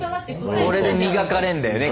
これで磨かれんだよね